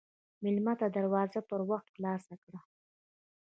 مېلمه ته دروازه پر وخت خلاصه کړه.